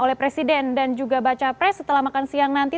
oleh presiden dan juga baca pres setelah makan siang nanti